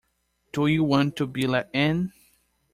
Do you want to be let in?